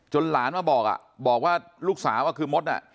หลานมาบอกอ่ะบอกว่าลูกสาวคือมดอ่ะ